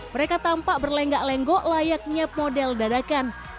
mereka tampak berlenggak lenggok layaknya model dadakan